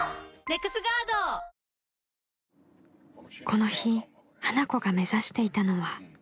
［この日花子が目指していたのは］